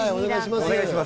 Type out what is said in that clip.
お願いします。